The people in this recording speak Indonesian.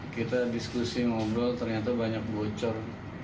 kita diskusi ngobrol ternyata banyak bocor